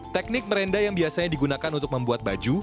teknik merendah yang biasanya digunakan untuk membuat baju